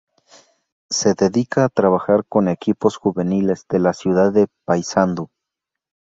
Se dedica a trabajar con equipos juveniles de la ciudad de Paysandú.